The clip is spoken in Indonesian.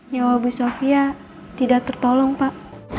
ya wabi sofia tidak tertolong pak